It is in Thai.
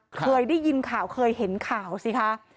เคยได้ยินข่าวเคยเห็นข่าวสิคะ